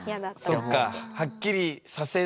そっか。